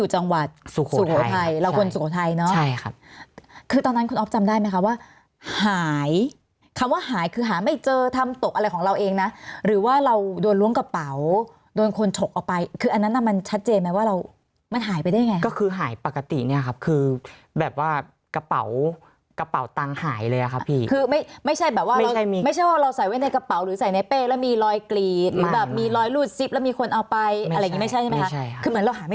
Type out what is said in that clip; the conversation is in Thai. ใช่ครับคือตอนนั้นคุณอ๊อฟจำได้ไหมครับว่าหายคำว่าหายคือหาไม่เจอทำตกอะไรของเราเองนะหรือว่าเราโดนล้วงกระเป๋าโดนคนฉกออกไปคืออันนั้นมันชัดเจนไหมว่าเรามันหายไปได้ไงก็คือหายปกติเนี่ยครับคือแบบว่ากระเป๋ากระเป๋าตังหายเลยอ่ะครับพี่คือไม่ใช่แบบว่าไม่ใช่ว่าเราใส่ไว้ในกระเป๋าหรือใส่ในเป